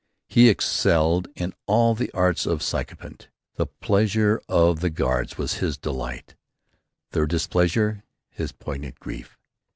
He excelled in all the arts of the sycophant: The pleasure of the guards was his delight, their displeasure, his poignant grief.